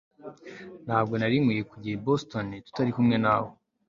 Ntabwo nari nkwiye kujya i Boston tutari kumwe nawe